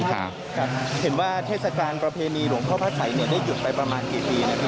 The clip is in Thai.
เห็นว่าเทศกาลประเพณีหลวงพ่อพระสัยได้หยุดไปประมาณกี่ปี